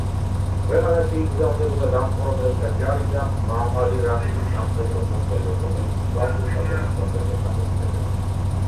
ქვეყანაში იგზავნებოდა დამპყრობელთა ჯარი და მაღალი რანგის სამხედრო მოხელე, რომელიც თვალყურს ადევნებდა მეფეთა მოქმედებას.